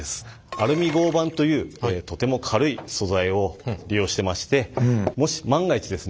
アルミ合板というとても軽い素材を利用してましてもし万が一ですね